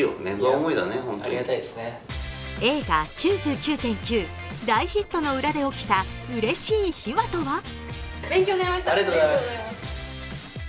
映画「９９．９」大ヒットの裏で起きたうれしい秘話とは？